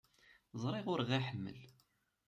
Ẓriɣ ur aɣ-iḥemmel.